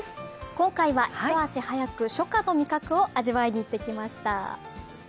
今回は一足早く初夏の味覚を味わいにいってきました。